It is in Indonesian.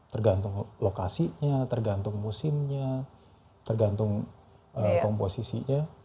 tergantung lokasinya tergantung musimnya tergantung komposisinya